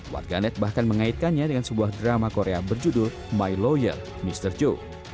warganet bahkan mengaitkannya dengan sebuah drama korea berjudul my lawyer mr joe